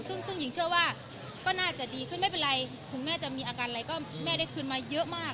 ซึ่งหญิงเชื่อว่าก็น่าจะดีขึ้นไม่เป็นไรคุณแม่จะมีอาการอะไรก็แม่ได้คืนมาเยอะมาก